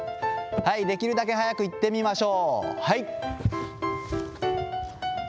できるだけ早くいってみましょう。